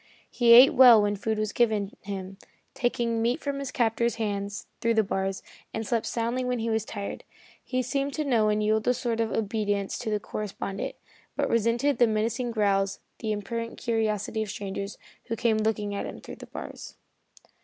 He ate well when food was given him, taking meat from his captor's hands through the bars, and slept soundly when he was tired. He seemed to know and yield a sort of obedience to the correspondent, but resented with menacing growls the impertinent curiosity of strangers who came to look at him through the bars.